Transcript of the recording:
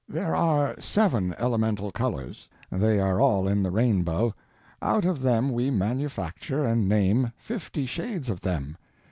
There are several elemental colors; they are all in the rainbow; out of them we manufacture and name fifty shades of them.